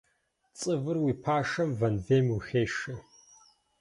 Цӏывыр уи пашэм вэнвейм ухешэ.